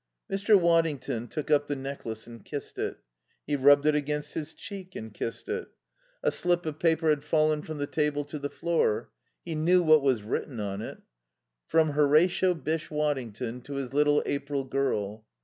Mr. Waddington took up the necklace and kissed it. He rubbed it against his cheek and kissed it. A slip of paper had fallen from the table to the floor. He knew what was written on it: "From Horatio Bysshe Waddington to his Little April Girl."